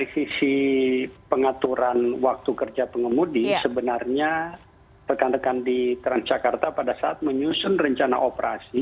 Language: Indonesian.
dari sisi pengaturan waktu kerja pengemudi sebenarnya rekan rekan di transjakarta pada saat menyusun rencana operasi